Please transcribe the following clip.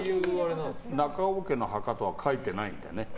中尾家の墓とは書いてないんだよね。